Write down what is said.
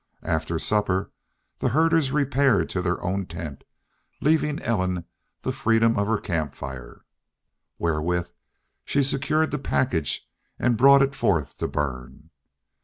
After supper the herders repaired to their own tents, leaving Ellen the freedom of her camp fire. Wherewith she secured the package and brought it forth to burn.